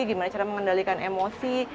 gimana cara mengendalikan emosi